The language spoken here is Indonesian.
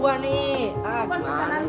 bukan pesenan buah ah